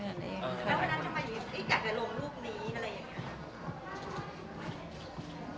แล้ววันนั้นทำไมอยู่ติ๊กอยากจะลงรูปนี้อะไรอย่างนี้